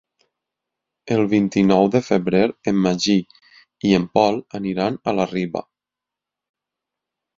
El vint-i-nou de febrer en Magí i en Pol aniran a la Riba.